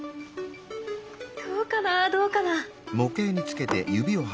どうかなどうかな？